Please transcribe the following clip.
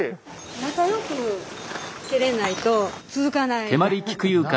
仲良く蹴れないと続かないと思うんですね。